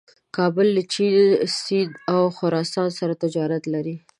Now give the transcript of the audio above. کابل له چین، سیند او خراسان سره تجارت لري.